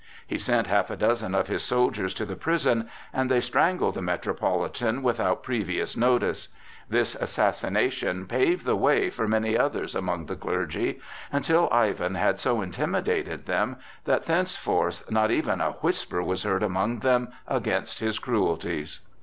He sent half a dozen of his soldiers to the prison, and they strangled the Metropolitan without previous notice. This assassination paved the way for many others among the clergy, until Ivan had so intimidated them that thenceforth not even a whisper was heard among them against his cruelties.